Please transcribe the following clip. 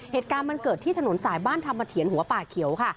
เหตุการณ์มันเกิดที่ถนนสายบ้านธรรมเถียรหัวป่าเขียวค่ะ